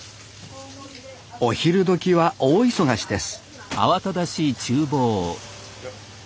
お昼どきは大忙しです